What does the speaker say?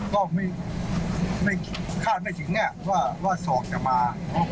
ก็ไม่คาดไม่ถึงว่าศอกจะมา